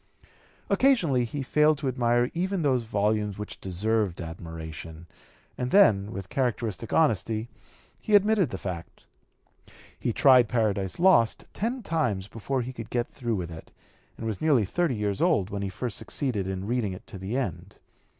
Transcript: Occasionally he failed to admire even those volumes which deserved admiration, and then with characteristic honesty he admitted the fact. He tried Paradise Lost ten times before he could get through with it, and was nearly thirty years old when he first succeeded in reading it to the end.